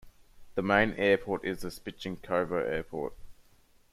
The main airport is the Spichenkovo Airport.